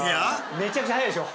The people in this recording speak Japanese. めちゃくちゃ速いでしょ。